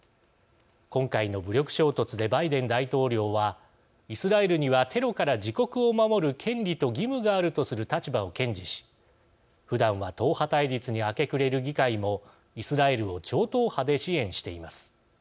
今回の武力衝突でバイデン大統領はイスラエルにはテロから自国を守る権利と義務があるとする立場を堅持しふだんは党派対立に明け暮れる議会もイスラエルを超党派で支援しています。